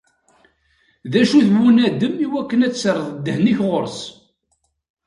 D acu-t bunadem iwakken ad d-terreḍ ddehn-ik ɣur-s?